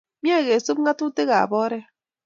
Mye kesup ng'atutik ap oret